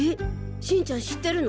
新ちゃん知ってるの？